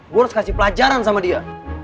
gue harus kasih pelajaran sama dia